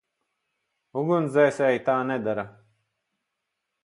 Ugunsdzēsēji tā nedara.